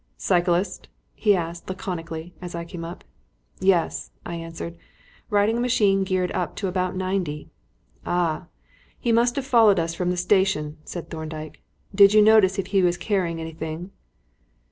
"Cyclist?" he asked laconically, as I came up. "Yes," I answered; "riding a machine geared up to about ninety." "Ah! he must have followed us from the station," said Thorndyke. "Did you notice if he was carrying anything?"